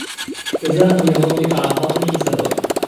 جزاء من ربك عطاء حسابا